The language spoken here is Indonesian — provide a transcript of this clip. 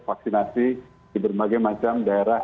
vaksinasi di berbagai macam daerah